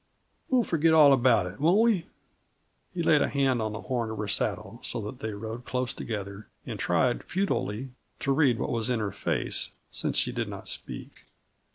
We'll forget all about it. Won't we?" He laid a hand on the horn of her saddle so that they rode close together, and tried futilely to read what was in her face, since she did not speak.